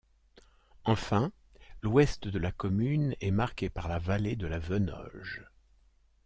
Enfin, l'ouest de la commune est marqué par la vallée de la Venoge.